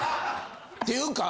っていうか。